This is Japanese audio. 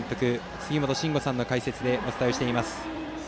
杉本真吾さんの解説でお伝えしています。